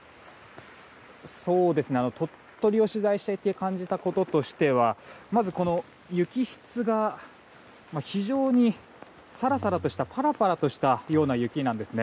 鳥取を取材していて感じたこととしてはまず、雪質が非常にさらさらとしたパラパラとしたような雪なんですね。